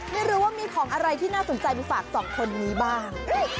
ไม่รู้ว่ามีของอะไรที่น่าสนใจไปฝากสองคนนี้บ้าง